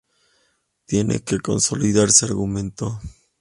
Tiene que consolidarse", argumentó.